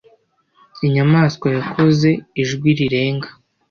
Inyamaswa yakoze ijwi rirenga.